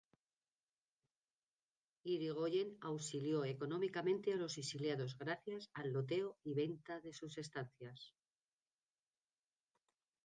Yrigoyen auxilió económicamente a los exiliados gracias al loteo y venta de sus estancias.